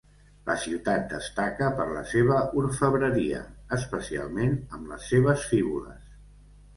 La ciutat destaca per la seva orfebreria especialment amb les seves fíbules.